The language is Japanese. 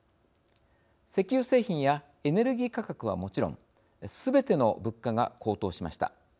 石油製品やエネルギー価格はもちろんすべての物価が高騰しました。